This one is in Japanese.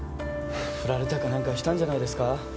フラれたか何かしたんじゃないですか？